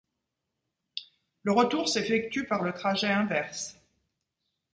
Le retour s'effectue par le trajet inverse.